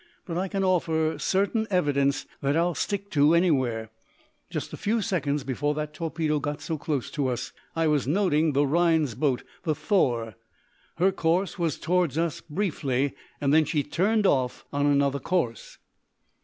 "But I can offer certain evidence that I'll stick to anywhere. Just a few seconds before that torpedo got so close to us I was noting the Rhinds boat, the 'Thor.' Her course was toward us, briefly. Then she turned off on another course."